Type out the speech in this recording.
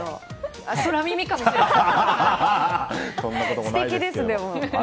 空耳かもしれないですね。